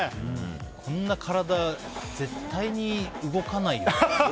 こんな体、絶対に動かないよ。